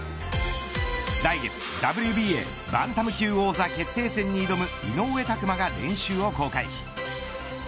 来月、ＷＢＡバンタム級王座決定戦に臨む井上拓真が練習を公開。